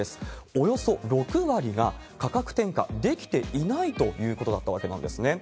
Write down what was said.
およそ６割が価格転嫁できていないということだったわけなんですね。